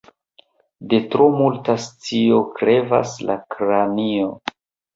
De tro multa scio krevas la kranio.